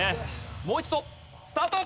もう一度スタート。